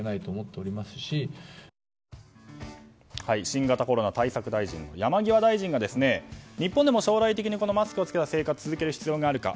新型コロナ対策大臣の山際大臣が日本でも将来的にマスクを着けた生活を続ける必要があるか